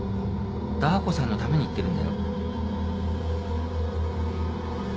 ダー子さんのために言ってるんだよ。